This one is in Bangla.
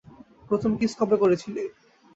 প্রথম কিস কবে করেছিলি?